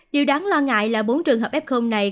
điều đáng lo ngại là bốn trường hợp ép khung này